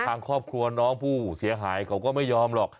ทางครอบครัวน้องผู้เสียหายเขาก็ไม่ยอมหรอก